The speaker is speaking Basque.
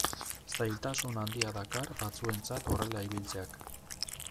Zailtasun handia dakar batzuentzat horrela ibiltzeak.